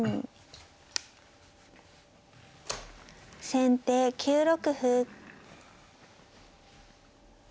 先手９六歩。